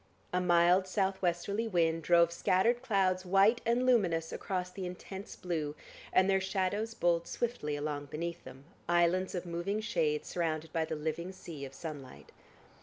A mild south westerly wind drove scattered clouds, white and luminous, across the intense blue, and their shadows bowled swiftly along beneath them, islands of moving shade surrounded by the living sea of sunlight.